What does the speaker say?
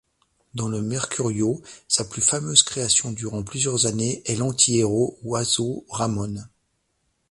Dans le Mercurio, sa plus fameuse création durant plusieurs années est l'anti-héros Huaso Ramón.